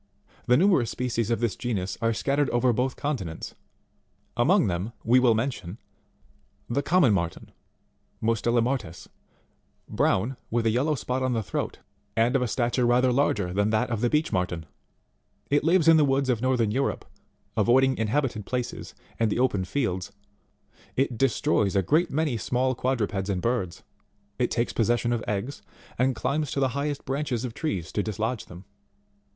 The numerous species of this genus are scattered over both continents ; among them we will mention : 24. The Commntt IMarteii, Mustela Martex, brown, with a yellow spot on the throat, and of a stature rather larger than that of the Beech Marten. It lives in the woods of northern Europe, avoiding inhabited places and the open fields ; it destroys a great many small quadrupeds and birds ; it takes possession of eggs, and climbs to the highest branches of trees to dislodge them.